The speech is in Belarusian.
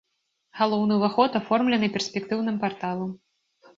Галоўны ўваход аформлены перспектыўным парталам.